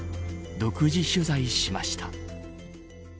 独自取材しました。